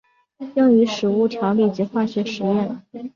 用于食物调理及化学实验。